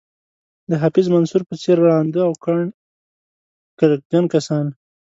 د حفیظ منصور په څېر ړانده او کڼ کرکجن کسان.